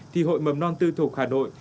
thì hội mầm non tư thuộc hà nội